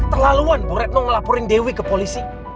keterlaluan boretno ngelaporin dewi ke polisi